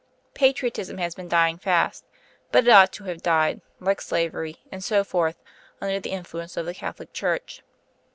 Patriotism has been dying fast; but it ought to have died, like slavery and so forth, under the influence of the Catholic Church.